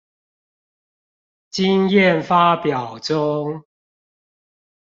經驗發表中